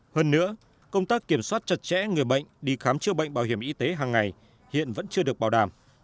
hơn nữa công tác kiểm soát chặt chẽ người bệnh đi khám chữa bệnh bảo hiểm y tế hàng ngày hiện vẫn chưa được bảo đảm